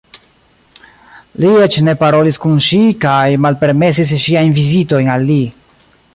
Li eĉ ne parolis kun ŝi kaj malpermesis ŝiajn vizitojn al li.